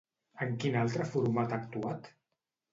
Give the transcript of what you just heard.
En quin altre format ha actuat?